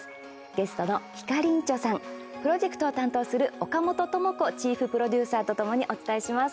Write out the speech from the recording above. ゲストのひかりんちょさんプロジェクトを担当する岡本朋子チーフプロデューサーとともにお伝えします。